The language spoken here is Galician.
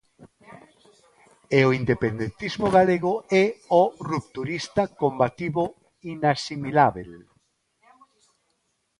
E o independentismo galego éo: rupturista, combativo, inasimilábel.